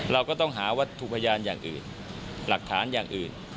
เราก็ต้องหาวัตถุพยานอย่างอื่นหลักฐานอย่างอื่น